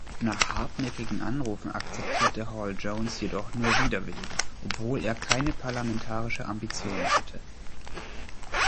Nach hartnäckigen Anrufen akzeptierte Hall-Jones jedoch nur widerwillig, obwohl er keine parlamentarischen Ambitionen hatte.